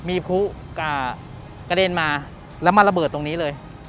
มีพลุกระเด็นมาแล้วมาระเบิดตรงนี้เลย